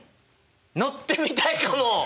乗ってみたいかも！